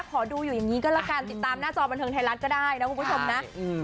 ขอดูอยู่อย่างนี้ก็ละกันติดตามหน้าจอบันเทิงไทยรัฐก็ได้นะคุณผู้ชมนะ